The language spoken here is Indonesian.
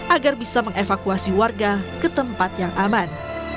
agar bisa mengevakuasi warga ke tempat yang aman